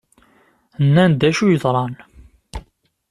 Nnan-d acu yeḍran?